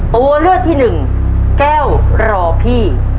ตัวเลือกที่หนึ่งแก้วรอพี่